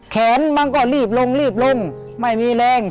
แขนมันก็รีบลงลงไม่มีแรง